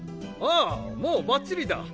ああもうバッチリだ。